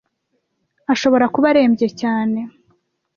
Ashobora kuba arembye cyane.